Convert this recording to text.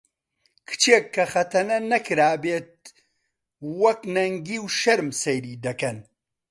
کچێک کە خەتەنە نەکرابێت وەک نەنگی و شەرم سەیری دەکەن